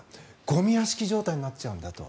ゴミ屋敷状態になっちゃうんだと。